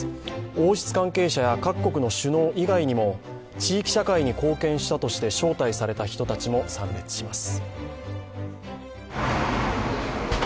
王室関係者や各国の首脳以外にも地域社会に貢献したとして招待された人たちも参列します。